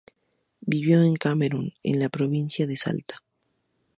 Vivió en Camerún y en la provincia de Salta.